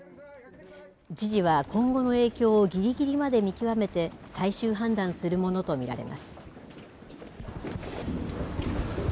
知事は今後の影響をぎりぎりまで見極めて、最終判断するものと見られます。